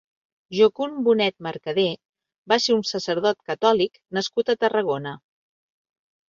Jocund Bonet Mercadé va ser un sacerdot catòlic nascut a Tarragona.